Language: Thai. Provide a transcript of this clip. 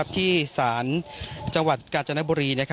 ที่ศาลจังหวัดกาญจนบุรี